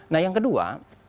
nah yang kedua